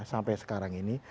sampai sekarang ini